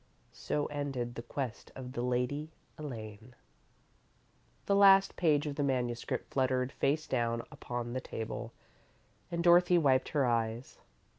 "_ So ended the Quest of the Lady Elaine. The last page of the manuscript fluttered, face downward, upon the table, and Dorothy wiped her eyes.